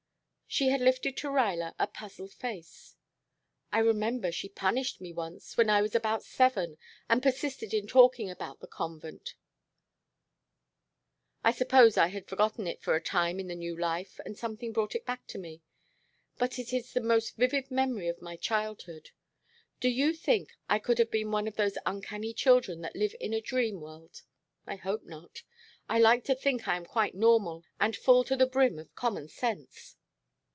She had lifted to Ruyler a puzzled face. "I remember she punished me once, when I was about seven and persisted in talking about the convent I suppose I had forgotten it for a time in the new life, and something brought it back to me. But it is the most vivid memory of my childhood. Do you think I could have been one of those uncanny children that live in a dream world? I hope not. I like to think I am quite normal and full to the brim of common sense."